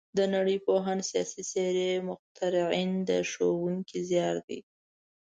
د نړۍ پوهان، سیاسي څېرې، مخترعین د ښوونکي زیار دی.